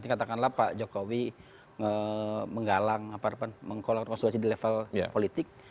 katakanlah pak jokowi menggalang konsuasi di level politik